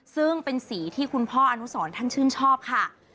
ซึ่งเป็นสีที่คุณพ่ออนุสรท่านชื่นชอบค่ะ